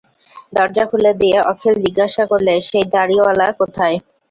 দরজা খুলে দিয়ে অখিল জিজ্ঞাসা করলে, সেই দাড়িওয়ালা কোথায়?